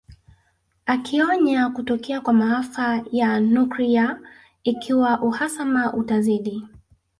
Akionya kutokea kwa maafa ya nuklia ikiwa uhasama utazidi